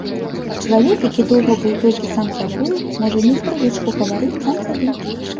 Чалавек, які доўга быў толькі сам з сабою, можа мець прывычку гаварыць сам сабе.